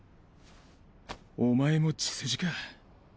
おまえも血筋か。